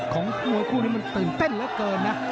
ของมวยคู่นี้มันตื่นเต้นเหลือเกินนะ